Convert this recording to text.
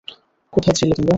কোথায় ছিলে তোমরা?